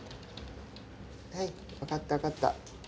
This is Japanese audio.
はい分かった分かった。